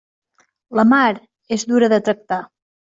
La mar és dura de tractar.